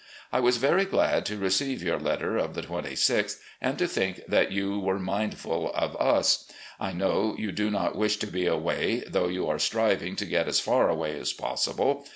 I was very glad to receive your letter of the 26th, and to think that you were mindful of us. I know you do not wish to be away, though you are striving to get as far away as possible.